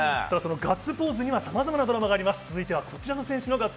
ガッツポーズにはさまざまなドラマがあります。